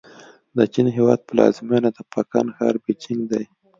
د چین هېواد پلازمېنه د پکن ښار بیجینګ دی.